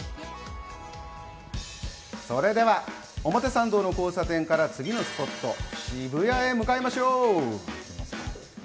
それでは表参道の交差点から次のスポット、渋谷へ向かいましょう。